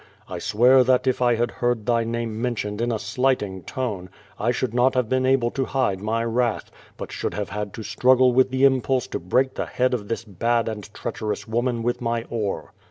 f swear that if I had heard thy name mentioned in a slightiui,' tone, i should not have been able to hide my wrath, but should have had to struggle with the impulse to break the head of this bad and treacherous woman with my oar.